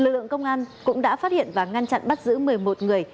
lực lượng công an cũng đã phát hiện và ngăn chặn bắt giữ một mươi một người